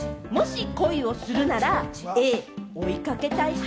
もし恋をするなら、Ａ・追いかけたい派？